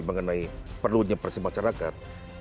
mengenai perlunya persimpatan masyarakat